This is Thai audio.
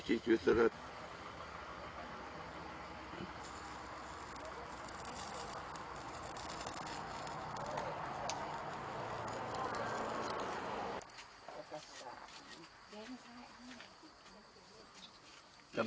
จากฝั่งภูมิธรรมฝั่งภูมิธรรม